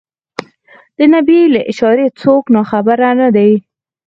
د نبي له اشارې څوک ناخبر نه دي.